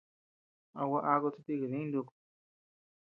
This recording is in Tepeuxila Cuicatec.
¿A gua akud chi tika diñ nukud?